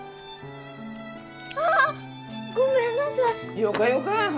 あ！ごめんなさい。